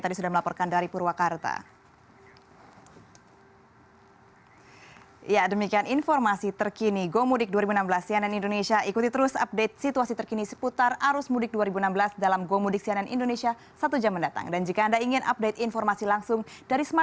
dan yang tadi sudah melaporkan dari purwakarta